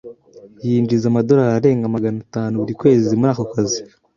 Yinjiza amadorari arenga magana atanu buri kwezi muri ako kazi.